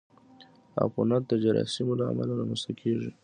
عفونت د جراثیمو له امله رامنځته کېږي.